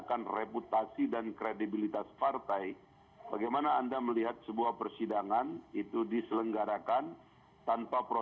faktor bahwa saya di bytes boils are wade dan pada saat itu doktorpo